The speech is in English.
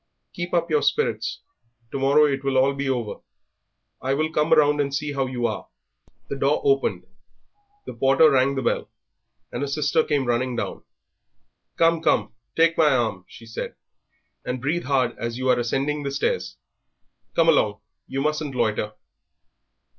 "Keep up your spirits; to morrow it will be all over. I will come round and see how you are." The door opened. The porter rang the bell, and a sister came running down. "Come, come, take my arm," she said, "and breathe hard as you are ascending the stairs. Come along, you mustn't loiter."